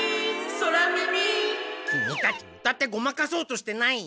キミたち歌ってごまかそうとしてない？